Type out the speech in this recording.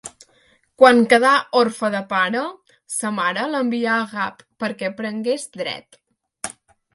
Quan quedà orfe de pare, sa mare l'envià a Gap, perquè aprengués dret.